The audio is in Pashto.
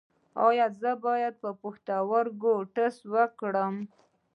ایا زه باید د پښتورګو ټسټ وکړم؟